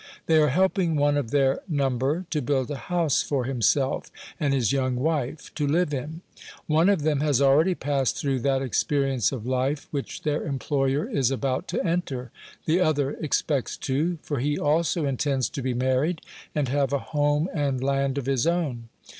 They are helping one of their number to build a house for himself and his young wife to live in. One of them has already passed through that experience of life which their employer is about to enter. The other expects to, for he also intends to be married, and have a home and land of his own.